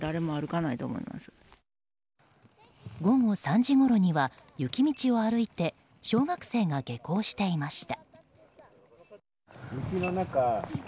午後３時ごろには雪道を歩いて小学生が下校していました。